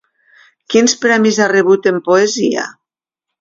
Quins premis ha rebut en poesia?